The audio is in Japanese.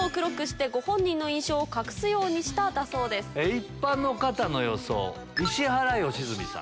一般の方の予想。